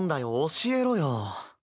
教えろよ。